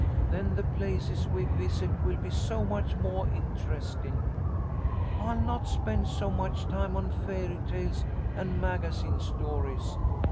Then the places we visit will be so much moah interestin'. I'll not spend so much time on fairy tales and magazine stories.